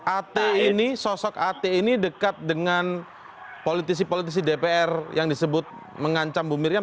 at ini sosok at ini dekat dengan politisi politisi dpr yang disebut mengancam bu miriam